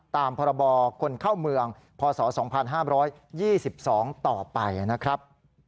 ตามพรบคนเข้าเมืองพศ๒๕๒๒ต่อไปนะครับ